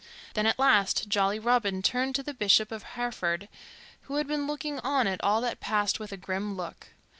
Then at last jolly Robin turned to the Bishop of Hereford, who had been looking on at all that passed with a grim look.